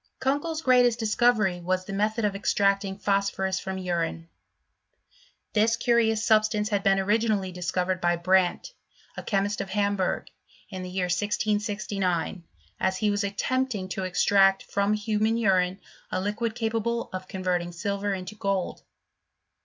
Kunkel's greatest discovery was, the method of extracting phosphonis from urine. This curiouB substance had been originally discovered by Brandt, achemist, of Hamburg, in the year 1669, as he was attempting to extract from human nrine a liquid capable of converting silver into gold.